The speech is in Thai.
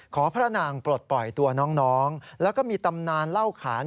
พระนางปลดปล่อยตัวน้องแล้วก็มีตำนานเล่าขาน